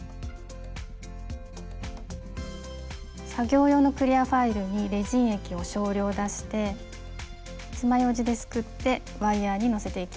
作業用のクリアファイルにレジン液を少量出してつまようじですくってワイヤーにのせていきます。